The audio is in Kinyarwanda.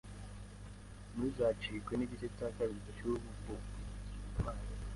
Ntuzacikwe n’igice cya kabiri cy’ubu buh